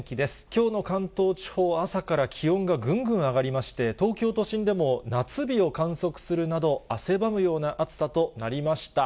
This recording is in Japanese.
きょうの関東地方は、朝から気温がぐんぐん上がりまして、東京都心でも夏日を観測するなど汗ばむような暑さとなりました。